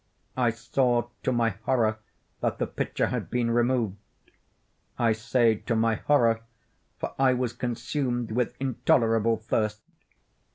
I saw, to my horror, that the pitcher had been removed. I say to my horror—for I was consumed with intolerable thirst.